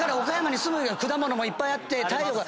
果物もいっぱいあって太陽が。